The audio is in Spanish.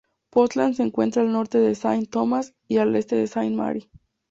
Portland se encuentra al norte de Saint Thomas y al este de Saint Mary.